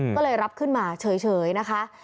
ก็เลยรับขึ้นมาเฉยนะคะ